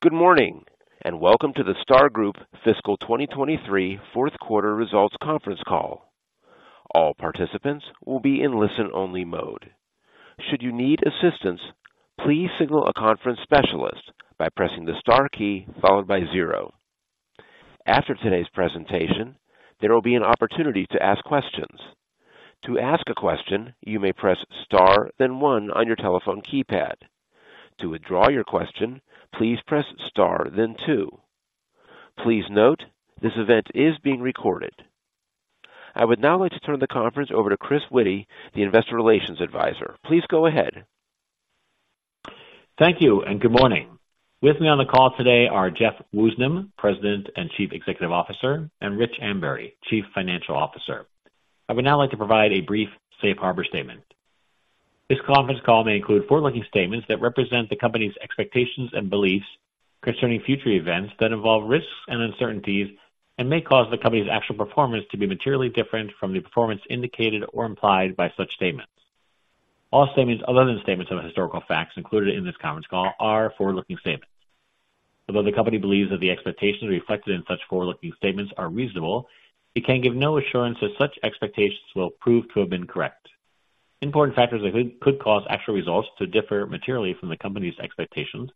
Good morning, and welcome to the Star Group Fiscal 2023 Fourth Quarter results conference call. All participants will be in listen-only mode. Should you need assistance, please signal a conference specialist by pressing the star key followed by zero. After today's presentation, there will be an opportunity to ask questions. To ask a question, you may press star, then one on your telephone keypad. To withdraw your question, please press star then two. Please note, this event is being recorded. I would now like to turn the conference over to Chris Witty, the Investor Relations Advisor. Please go ahead. Thank you and good morning. With me on the call today are Jeff Woosnam, President and Chief Executive Officer, and Rich Ambury, Chief Financial Officer. I would now like to provide a brief safe harbor statement. This conference call may include forward-looking statements that represent the company's expectations and beliefs concerning future events that involve risks and uncertainties and may cause the company's actual performance to be materially different from the performance indicated or implied by such statements. All statements other than statements of historical facts included in this conference call are forward-looking statements. Although the company believes that the expectations reflected in such forward-looking statements are reasonable, it can give no assurance that such expectations will prove to have been correct. Important factors that could cause actual results to differ materially from the company's expectations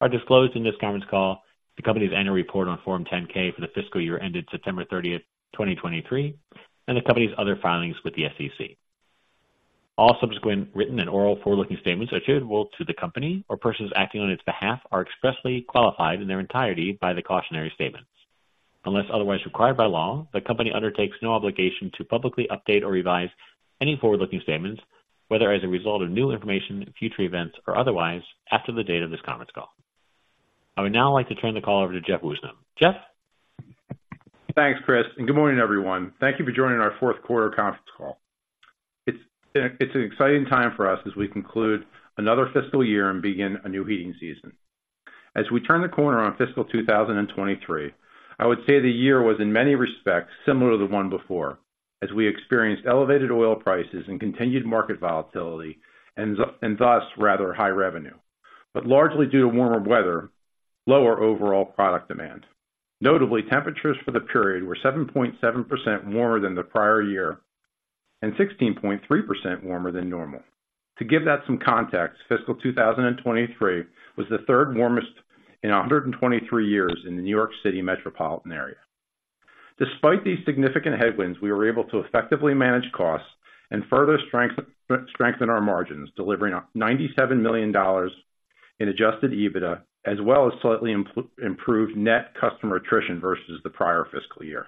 are disclosed in this conference call, the company's annual report on Form 10-K for the fiscal year ended September 30th, 2023, and the company's other filings with the SEC. All subsequent written and oral forward-looking statements attributed to the company or persons acting on its behalf are expressly qualified in their entirety by the cautionary statements. Unless otherwise required by law, the company undertakes no obligation to publicly update or revise any forward-looking statements, whether as a result of new information, future events, or otherwise, after the date of this conference call. I would now like to turn the call over to Jeff Woosnam. Jeff? Thanks, Chris, and good morning, everyone. Thank you for joining our Fourth Quarter Conference Call. It's, it's an exciting time for us as we conclude another fiscal year and begin a new heating season. As we turn the corner on fiscal 2023, I would say the year was in many respects similar to the one before, as we experienced elevated oil prices and continued market volatility, and thus rather high revenue. But largely due to warmer weather, lower overall product demand. Notably, temperatures for the period were 7.7% warmer than the prior year and 16.3% warmer than normal. To give that some context, fiscal 2023 was the third warmest in 123 years in the New York City metropolitan area. Despite these significant headwinds, we were able to effectively manage costs and further strengthen our margins, delivering $97 million in Adjusted EBITDA, as well as slightly improved net customer attrition versus the prior fiscal year.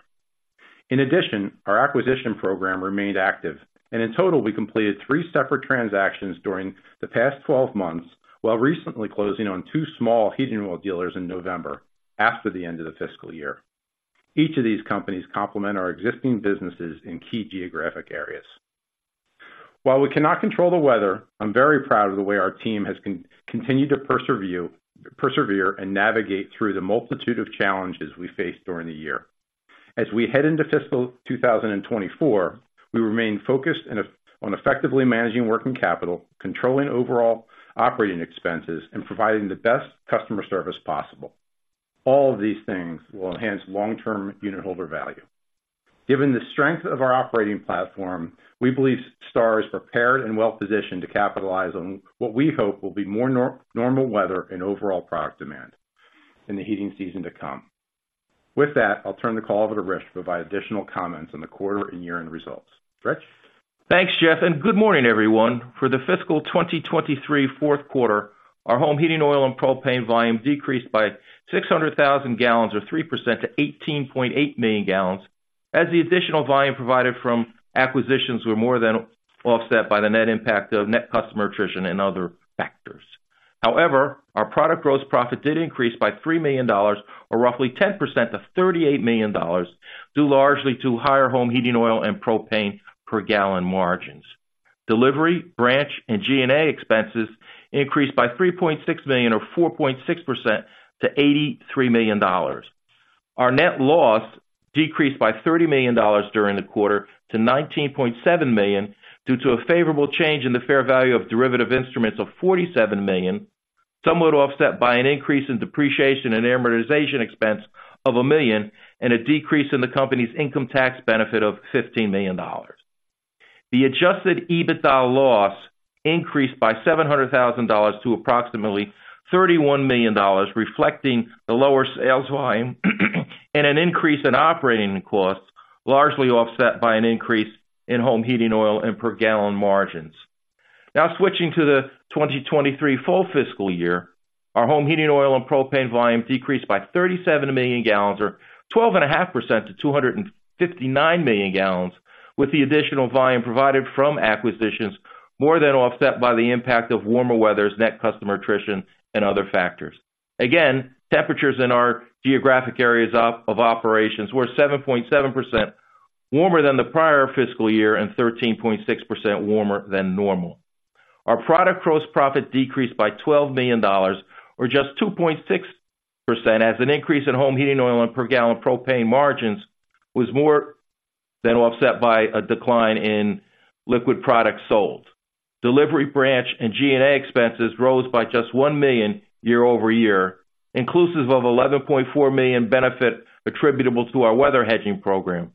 In addition, our acquisition program remained active, and in total, we completed three separate transactions during the past 12 months, while recently closing on two small heating oil dealers in November after the end of the fiscal year. Each of these companies complement our existing businesses in key geographic areas. While we cannot control the weather, I'm very proud of the way our team has continued to persevere and navigate through the multitude of challenges we faced during the year. As we head into fiscal 2024, we remain focused on effectively managing working capital, controlling overall operating expenses, and providing the best customer service possible. All of these things will enhance long-term unitholder value. Given the strength of our operating platform, we believe Star is prepared and well-positioned to capitalize on what we hope will be more normal weather and overall product demand in the heating season to come. With that, I'll turn the call over to Rich to provide additional comments on the quarter and year-end results. Rich? Thanks, Jeff, and good morning, everyone. For the fiscal 2023 fourth quarter, our home heating oil and propane volume decreased by 600,000 gallons or 3% to 18.8 million gallons, as the additional volume provided from acquisitions were more than offset by the net impact of net customer attrition and other factors. However, our product gross profit did increase by $3 million or roughly 10% to $38 million, due largely to higher home heating oil and propane per gallon margins. Delivery, branch, and G&A expenses increased by $3.6 million or 4.6% to $83 million. Our net loss decreased by $30 million during the quarter to $19.7 million due to a favorable change in the fair value of derivative instruments of $47 million, somewhat offset by an increase in depreciation and amortization expense of $1 million, and a decrease in the company's income tax benefit of $15 million. The Adjusted EBITDA loss increased by $700,000 to approximately $31 million, reflecting the lower sales volume and an increase in operating costs, largely offset by an increase in home heating oil and per gallon margins. Now, switching to the 2023 full fiscal year, our home heating oil and propane volume decreased by 37 million gallons or 12.5% to 259 million gallons, with the additional volume provided from acquisitions more than offset by the impact of warmer weather, net customer attrition, and other factors. Again, temperatures in our geographic areas of operations were 7.7% warmer than the prior fiscal year and 13.6% warmer than normal. Our product gross profit decreased by $12 million, or just 2.6%, as an increase in home heating oil and per gallon propane margins was more ....then offset by a decline in liquid products sold. Delivery branch and G&A expenses rose by just $1 million year-over-year, inclusive of $11.4 million benefit attributable to our weather hedging program.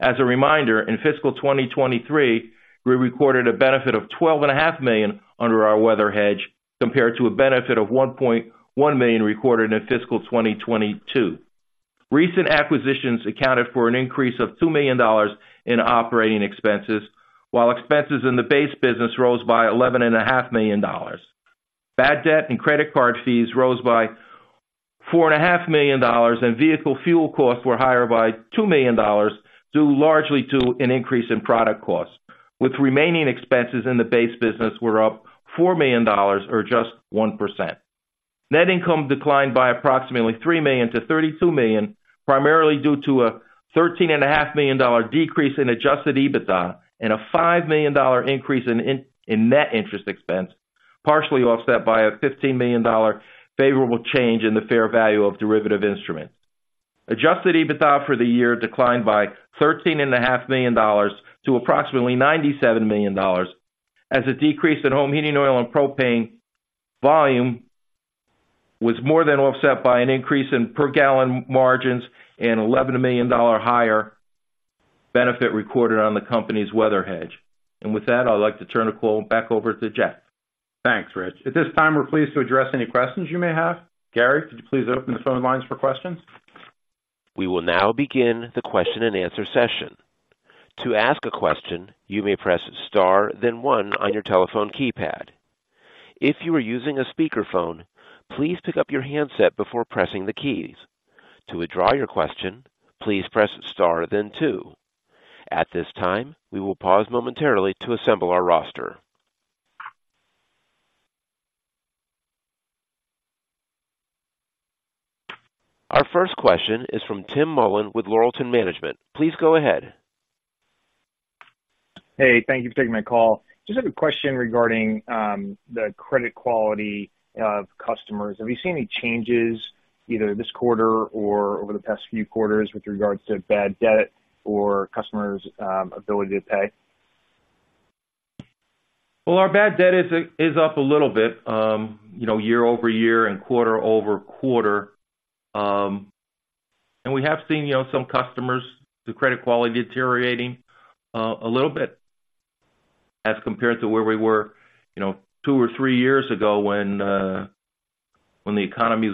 As a reminder, in fiscal 2023, we recorded a benefit of $12.5 million under our weather hedge, compared to a benefit of $1.1 million recorded in fiscal 2022. Recent acquisitions accounted for an increase of $2 million in operating expenses, while expenses in the base business rose by $11.5 million. Bad debt and credit card fees rose by $4.5 million, and vehicle fuel costs were higher by $2 million, due largely to an increase in product costs, with remaining expenses in the base business were up $4 million, or just 1%. Net income declined by approximately $3 million-$32 million, primarily due to a $13.5 million decrease in Adjusted EBITDA and a $5 million increase in net interest expense, partially offset by a $15 million favorable change in the fair value of derivative instruments. Adjusted EBITDA for the year declined by $13.5 million to approximately $97 million, as a decrease in home heating oil and propane volume was more than offset by an increase in per gallon margins and $11 million higher benefit recorded on the company's weather hedge. And with that, I'd like to turn the call back over to Jeff. Thanks, Rich. At this time, we're pleased to address any questions you may have. Gary, could you please open the phone lines for questions? We will now begin the question-and-answer session. To ask a question, you may press star then one on your telephone keypad. If you are using a speakerphone, please pick up your handset before pressing the keys. To withdraw your question, please press star then two. At this time, we will pause momentarily to assemble our roster. Our first question is from Tim Mullen with Laurelton Management. Please go ahead. Hey, thank you for taking my call. Just have a question regarding the credit quality of customers. Have you seen any changes, either this quarter or over the past few quarters, with regards to bad debt or customers' ability to pay? Well, our bad debt is up a little bit, you know, year-over-year and quarter-over-quarter. And we have seen, you know, some customers, the credit quality deteriorating, a little bit as compared to where we were, you know, two or three years ago when the economy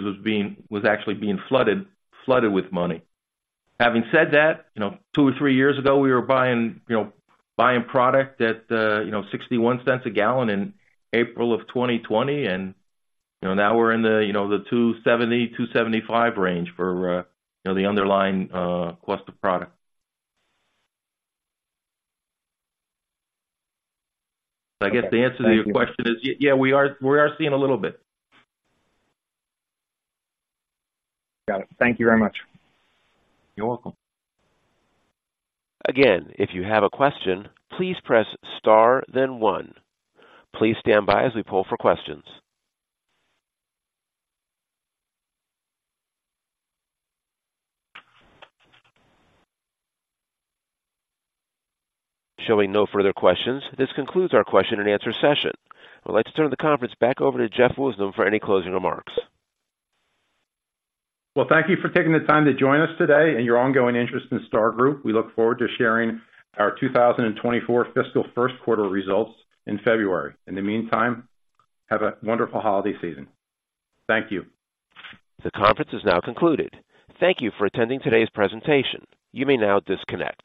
was actually being flooded with money. Having said that, you know, two or three years ago, we were buying, you know, buying product at, you know, $0.61 a gallon in April of 2020, and, you know, now we're in the, you know, the $2.70-$2.75 range for, you know, the underlying cost of product. I guess the answer to your question is, yeah, we are seeing a little bit. Got it. Thank you very much. You're welcome. Again, if you have a question, please press star then one. Please stand by as we poll for questions. Showing no further questions, this concludes our question-and-answer session. I'd like to turn the conference back over to Jeff Woosnam for any closing remarks. Well, thank you for taking the time to join us today and your ongoing interest in Star Group. We look forward to sharing our 2024 fiscal first quarter results in February. In the meantime, have a wonderful holiday season. Thank you. The conference is now concluded. Thank you for attending today's presentation. You may now disconnect.